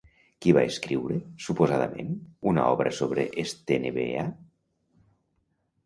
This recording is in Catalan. Qui va escriure, suposadament, una obra sobre Estenebea?